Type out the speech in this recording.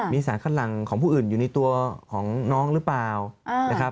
มีสารคัดหลังของผู้อื่นอยู่ในตัวของน้องหรือเปล่านะครับ